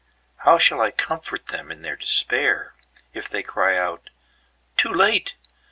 How shall I comfort them in their despair, If they cry out, 'Too late!